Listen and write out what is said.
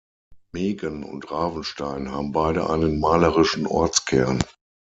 Megen und Ravenstein haben beide einen malerischen Ortskern.